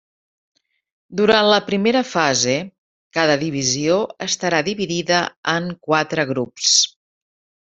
Durant la primera fase, cada divisió estarà dividida en quatre grups.